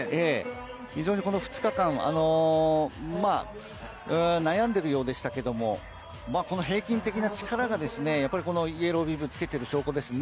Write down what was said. この２日間、悩んでるようでしたけれども、平均的な力がイエロービブをつけている証拠です。